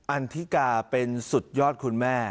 อันทิกาเป็นสุดยอดคุณแม่